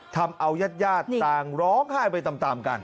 ทำเอายาดต่างร้องไห้ไปตามกัน